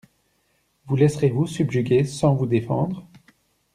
Vous laisserez-vous subjuguer sans vous défendre?